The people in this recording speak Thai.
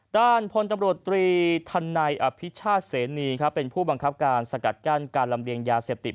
ด้านพลตำรวจตรีทันในอภิชาติเสนีเป็นผู้บังคับการสกัดกั้นการลำเลียงยาเสพติด